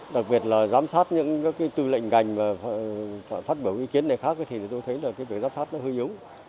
đặc biệt là giám sát những tư lệnh ngành và phát biểu ý kiến này khác thì tôi thấy là việc giám sát nó hơi yếu